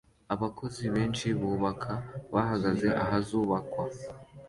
Abakozi benshi bubaka bahagaze ahazubakwa